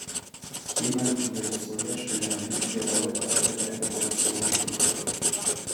Genmanipuliertes Soja spielt eine wichtige Rolle bei der weltweiten Produktion von Tierfutter.